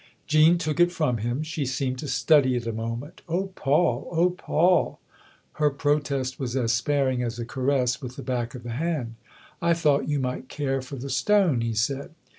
Jean took it from him she seemed to study it a moment. " Oh Paul, oh Paul !" her protest was as sparing as a caress with the back of the hand. " I thought you might care for the stone/' he said.